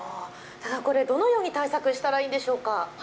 これ、どのように対策したらいいんでしょうか。